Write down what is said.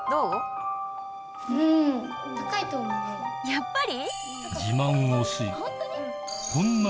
やっぱり？